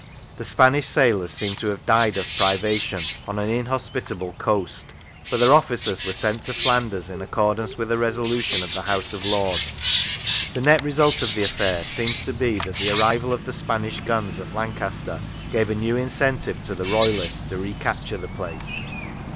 The Spanish sailors seem to have died of privation on an inhospitable coast, but their officers were sent to Flanders in accordance with a resolution of the House of Lords. The net result of the affair seems to be that the arrival of the Spanish guns at Lancaster gave a new incentive to the Royalists to recapture the place.